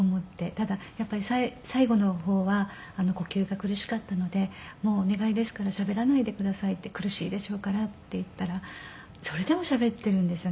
ただやっぱり最期の方は呼吸が苦しかったので「もうお願いですからしゃべらないでください」って「苦しいでしょうから」って言ったらそれでもしゃべっているんですよね。